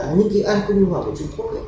những cái ăn cung nghiêu hoàng của trung quốc